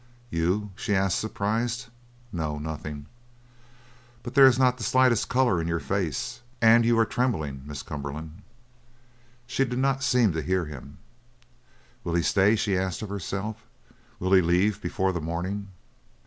"You?" she asked, surprised. "No, nothing." "But there's not the slightest colour in your face. And you are trembling, Miss Cumberland!" She did not seem to hear him. "Will he stay?" she asked of herself. "Will he leave before the morning?"